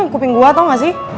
kuping gue tau gak sih